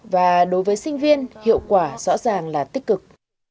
và đối với sinh viên hiệu quả rõ ràng là tích cực